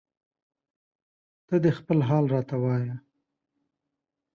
ته دې خپل حال راته وایه